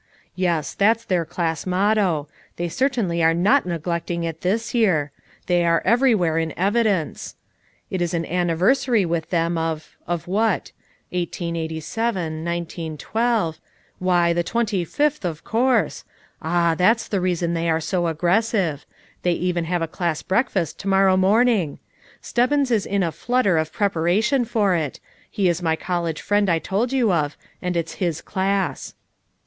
"Yes, that's their class motto. They cer tainly are not neglecting it this year I they are everywhere in evidence. It is an anniversary with them of— of what? 1887— 1912— why, the 286 FOUR MOTHERS AT CHAUTAUQUA twenty fifth, of course! Ah, that's the reason they are so aggressive. They even have a class breakfast to morrow morning! Stebbins is in a flutter of preparation for it; he is my college friend I told yen of, and it's his class."